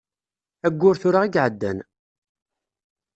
Ayyur tura i iεeddan.